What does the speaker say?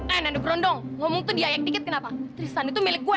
eh nanda gerondong ngomong tuh diayak dikit kenapa tristan itu milik gue